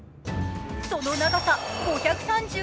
その長さ５３２ｍ。